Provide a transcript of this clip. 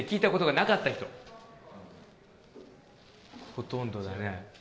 ほとんどだね。